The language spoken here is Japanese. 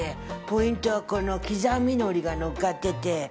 ポイントはこの刻みのりがのっかってて。